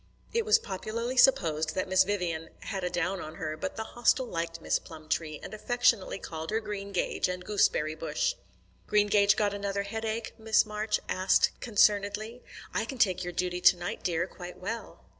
It was popularly supposed that Miss Vivian "had a down on her," but the Hostel liked Miss Plumtree, and affectionately called her Greengage and Gooseberry bush. "Greengage got another headache?" Miss Marsh asked concernedly. "I can take your duty to night, dear, quite well."